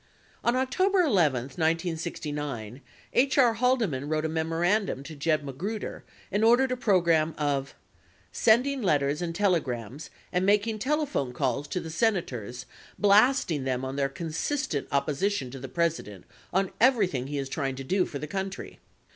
On October .11, 1969, H. R. Haldeman wrote a memorandum to Jeb Magruder and ordered a program of : sending letters and telegrams, and making telephone calls to the senators, blasting them on their consistent opposition to the President on everything he is trying to do for the country.